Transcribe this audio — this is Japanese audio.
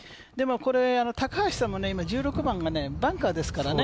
高橋さんも１６番がバンカーですからね。